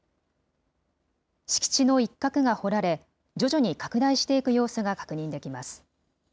敷地の一角が掘られ、徐々に拡大していく様子が確認できます。